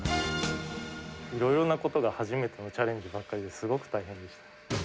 いろいろなことが初めてのチャレンジばかりで、すごく大変でした。